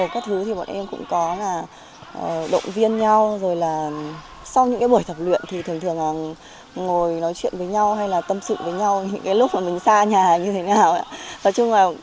có nhiều cái kỷ niệm mà không quên được